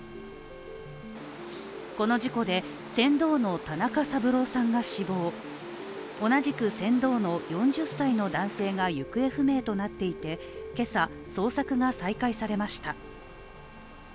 この事故で船頭の田中三郎さんが死亡、同じく船頭の４０歳の男性が行方不明となっていて今朝、捜索が再開されました。